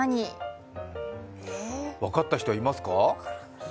分かった人はいますか？